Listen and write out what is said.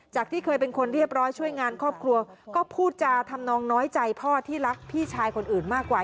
ที่เคยเป็นคนเรียบร้อยช่วยงานครอบครัวก็พูดจาทำนองน้อยใจพ่อที่รักพี่ชายคนอื่นมากกว่า